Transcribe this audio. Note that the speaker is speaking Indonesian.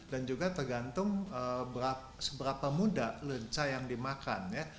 dan juga tergantung seberapa muda lenca yang dimakan ya